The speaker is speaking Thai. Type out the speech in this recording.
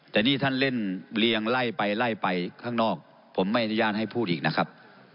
แต่นี่ท่านเล่นเรียงไล่ไปไล่ไปข้างนอกผมไม่อนุญาตให้พูดอีกนะครับ